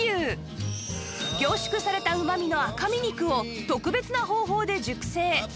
凝縮されたうまみの赤身肉を特別な方法で熟成